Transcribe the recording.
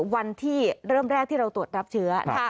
วันที่เริ่มแรกที่เราตรวจรับเชื้อ